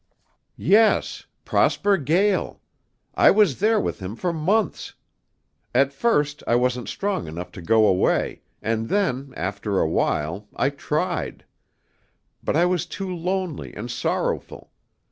"Yes. Prosper Gael. I was there with him for months. At first I wasn't strong enough to go away, and then, after a while, I tried. But I was too lonely and sorrowful.